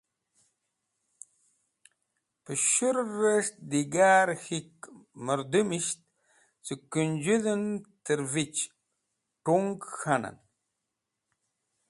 Pes̃hu’res̃h digar K̃hik mũrdũmisht cẽ Kũnjũdh en trẽvich t̃ung k̃hanen.